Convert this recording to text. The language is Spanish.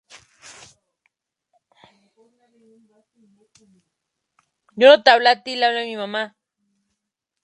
De modo que siempre pueda ser reconocida como tal ilusión.